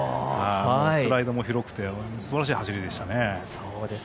スライドも広くてすばらしい走りでしたね。